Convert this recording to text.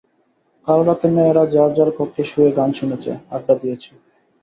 কাল রাতে মেয়েরা যার যার কক্ষে শুয়ে গান শুনেছে, আড্ডা দিয়েছে।